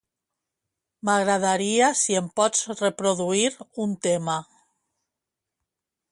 M'agradaria si em pots reproduir un tema.